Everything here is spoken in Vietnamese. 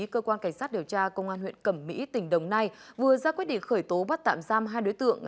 cơ quan cảnh sát điều tra công an huyện cẩm mỹ tỉnh đồng nai vừa ra quyết định khởi tố bắt tạm giam hai đối tượng